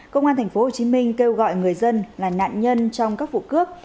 công an tp hcm kêu gọi người dân là nạn nhân trong các vụ cướp